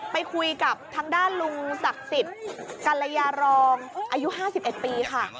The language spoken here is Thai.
ไปคุยกับทางด้านลุงศักดิ์สิทธิ์กัลยารองอายุ๕๑ปีค่ะ